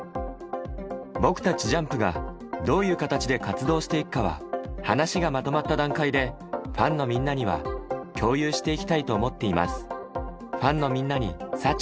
僕たちＪＵＭＰが、どういう形で活動していくかは、話がまとまった段階でファンのみんなには共有していきたいと思っています。